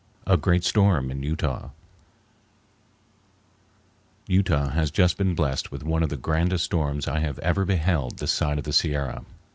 A Great Storm in Utah Utah has just been blessed with one of the grandest storms I have ever beheld this side of the Sierra.